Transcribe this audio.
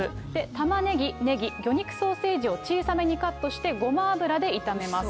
玉ねぎ、ねぎ、魚肉ソーセージを小さめにカットして、ごま油で炒めます。